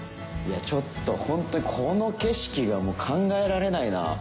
いやちょっとホントにこの景色がもう考えられないな。